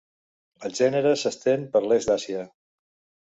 El gènere s'estén per l'est d'Àsia.